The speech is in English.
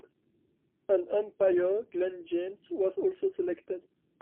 An umpire, Glenn James, was also selected.